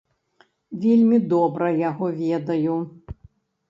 Вельмі добра яго ведаю.